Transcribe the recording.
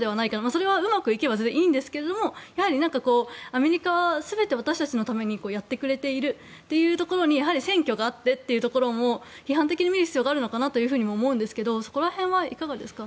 それはうまくいけば全然いいんですけどアメリカは全て私たちのためにやってくれているというところに選挙があってというところも批判的に見る必要があるのかなと思うんですけどそこら辺はいかがですか。